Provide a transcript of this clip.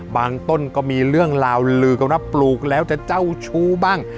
ต้นก็มีเรื่องราวลือกันว่าปลูกแล้วจะเจ้าชู้บ้าง